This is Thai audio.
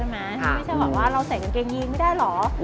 ไม่ใช่แบบว่าเราใส่กางเกงยีนไม่ได้เหรอ